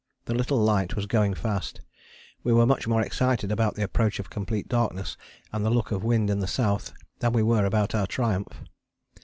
The little light was going fast: we were much more excited about the approach of complete darkness and the look of wind in the south than we were about our triumph.